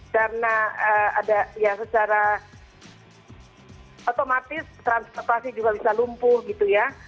karena ada ya secara otomatis transportasi juga bisa lumpuh gitu ya